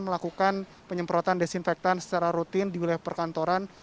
melakukan penyemprotan desinfektan secara rutin di wilayah perkantoran